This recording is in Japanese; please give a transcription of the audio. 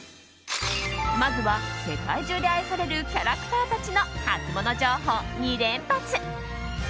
まずは、世界中で愛されるキャラクターたちのハツモノ情報２連発。